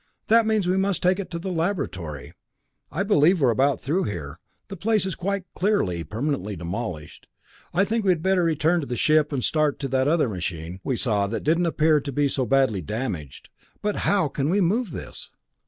That means we must take it to the laboratory. I believe we're about through here the place is clearly quite permanently demolished. I think we had better return to the ship and start to that other machine we saw that didn't appear to be so badly damaged. But how can we move this?"